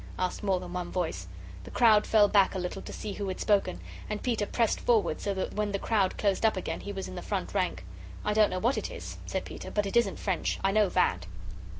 asked more than one voice. The crowd fell back a little to see who had spoken, and Peter pressed forward, so that when the crowd closed up again he was in the front rank. "I don't know what it is," said Peter, "but it isn't French. I know that."